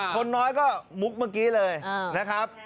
คนน้อยก็มุกเมื่อกี้เลยนะครับ